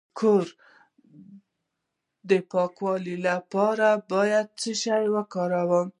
د کور د پاکوالي لپاره باید څه شی وکاروم؟